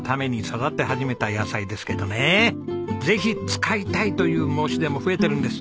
ぜひ使いたいという申し出も増えてるんです。